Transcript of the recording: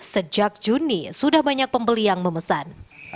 sejak juni sudah banyak pembeli yang memesan